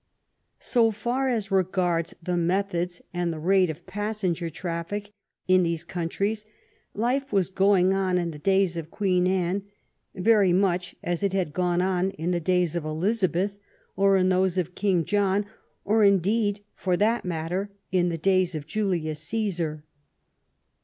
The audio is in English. So far as regards the methods and the rate of passenger trafiic in these countries, life was going on in the days of Queen Anne very much as it had gone on in the days of Elizabeth or in those of King John, or, indeed, for that matter, in the days of Julius Caesar.